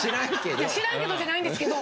いや知らんけどじゃないんですけど。